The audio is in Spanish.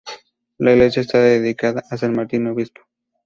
La iglesia está dedicada a san Martín Obispo.